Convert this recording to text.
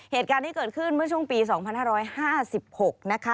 เหตุการณ์ที่เกิดขึ้นเมื่อช่วงปี๒๕๕๖นะคะ